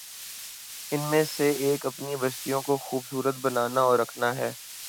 ان میں سے ایک اپنی بستیوں کو خوب صورت بنانا اور رکھنا ہے۔